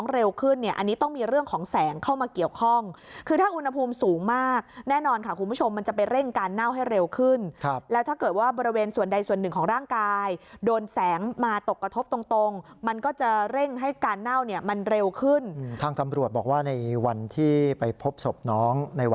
เร็วขึ้นเนี่ยอันนี้ต้องมีเรื่องของแสงเข้ามาเกี่ยวข้องคือถ้าอุณหภูมิสูงมากแน่นอนค่ะคุณผู้ชมมันจะไปเร่งการเน่าให้เร็วขึ้นแล้วถ้าเกิดว่าบริเวณส่วนใดส่วนหนึ่งของร่างกายโดนแสงมาตกกระทบตรงตรงมันก็จะเร่งให้การเน่าเนี่ยมันเร็วขึ้นทางตำรวจบอกว่าในวันที่ไปพบศพน้องในว